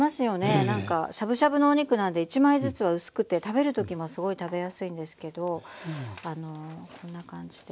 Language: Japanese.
何かしゃぶしゃぶのお肉なんで１枚ずつは薄くて食べるときもすごい食べやすいんですけどあのこんな感じで。